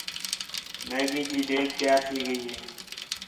میگی تی دیگ تیار کَئی ہے